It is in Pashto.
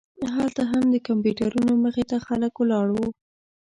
هلته هم د کمپیوټرونو مخې ته خلک ولاړ وو.